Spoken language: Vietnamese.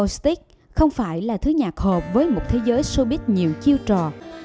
stick không phải là thứ nhạc hợp với một thế giới showbiz nhiều chiêu trò